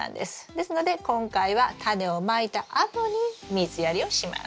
ですので今回はタネをまいたあとに水やりをします。